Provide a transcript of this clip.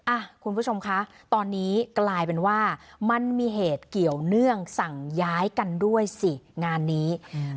อ่ะคุณผู้ชมคะตอนนี้กลายเป็นว่ามันมีเหตุเกี่ยวเนื่องสั่งย้ายกันด้วยสิงานนี้อืม